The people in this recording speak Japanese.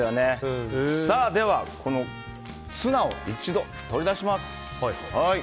このツナを一度取り出します。